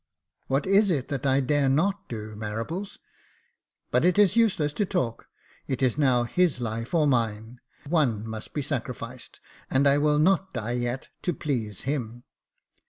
"What is it that I dare not do, Marables ? but it is use less to talk ; it is now his life or mine. One must be sacrificed, and I will not die yet to please him."